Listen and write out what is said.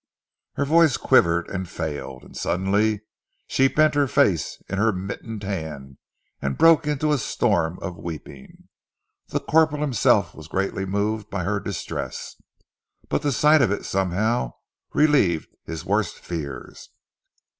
Her voice quivered and failed, and suddenly she bent her face in her mittened hand and broke into a storm of weeping. The corporal himself was greatly moved by her distress, but the sight of it somehow relieved his worst fears.